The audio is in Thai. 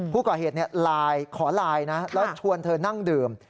ผู้เกาะเหตุขอลายนะแล้วชวนเธอนั่งดื่ม